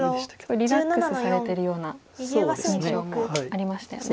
リラックスされてるような印象もありましたよね。